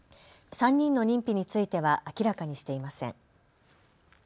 ３人の認否については明らかにしていません。